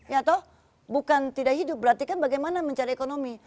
ya toh bukan tidak hidup berarti kan bagaimana mencari ekonomi